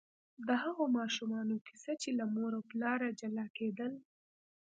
د هغو ماشومانو کیسه چې له مور او پلار جلا کېدل.